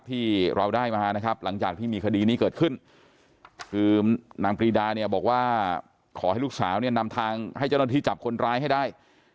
ที่เราได้มานะครับหลังจากที่มีคดีนี้เกิดขึ้นคือนางปรีดาเนี่ยบอกว่าขอให้ลูกสาวเนี่ยนำทางให้เจ้าหน้าที่จับคนร้ายให้ได้